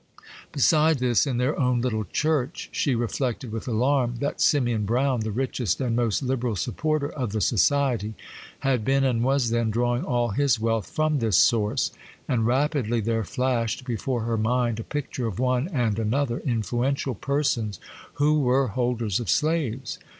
Beside this, in their own little church, she reflected with alarm, that Simeon Brown, the richest and most liberal supporter of the society, had been, and was then, drawing all his wealth from this source; and rapidly there flashed before her mind a picture of one and another, influential persons, who were holders of slaves.